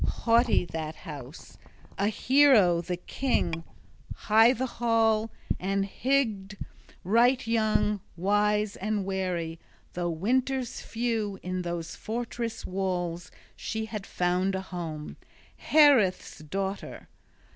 Haughty that house, a hero the king, high the hall, and Hygd {27b} right young, wise and wary, though winters few in those fortress walls she had found a home, Haereth's daughter.